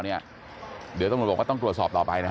เดี๋ยวต้องรวมก็ต้องตรวจสอบต่อไปนะฮะ